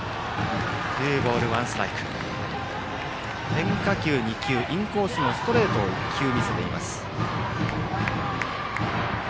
変化球２球、インコースのストレートを１球見せています。